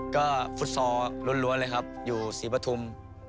ก็ฟุตซอลล้วนเลยครับอยู่ศรีปฐุม